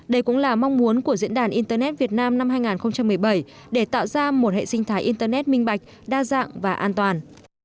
đây cũng là mong muốn của diễn đàn internet việt nam năm hai nghìn một mươi bảy để tạo ra một hệ sinh thái internet minh bạch đa dạng và an toàn